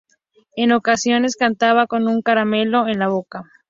En ocasiones cantaba con un caramelo en la boca.